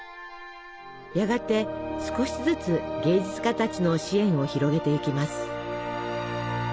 やがて少しずつ芸術家たちの支援を広げていきます。